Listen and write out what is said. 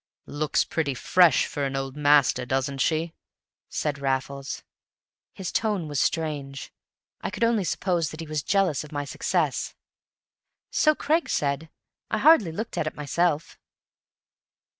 "Looks pretty fresh for an Old Master, doesn't she?" said Raffles. His tone was strange. I could only suppose that he was jealous of my success. "So Craggs said. I hardly looked at it myself."